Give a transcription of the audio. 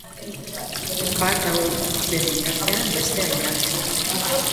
Bat ahula den bitartean, bestea indartsua da.